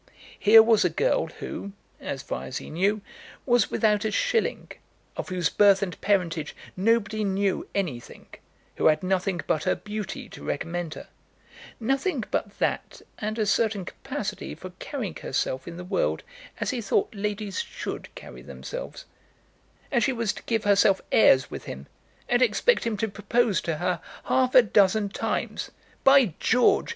Here was a girl who, as far as he knew, was without a shilling, of whose birth and parentage nobody knew anything, who had nothing but her beauty to recommend her, nothing but that and a certain capacity for carrying herself in the world as he thought ladies should carry themselves, and she was to give herself airs with him, and expect him to propose to her half a dozen times! By George!